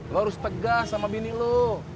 lo harus tegas sama mini lo